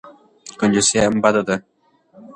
کنجوسي هم بده ده.